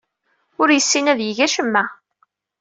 Ur yessin ad yeg acemma.